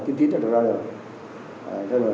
kinh tín đã được ra đời